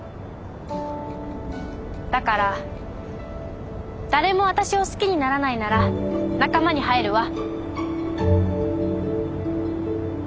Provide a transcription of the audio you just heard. だから誰も私を好きにならないなら仲間に入るわ！